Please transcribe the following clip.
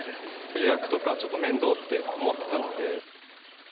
予約とかちょっと面倒って思ってたので。